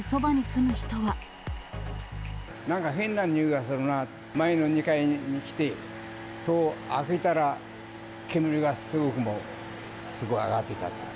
なんか変なにおいがするな、前の２階に来て、戸を開けたら、煙がすごく、もう、すごい上がってたっていう。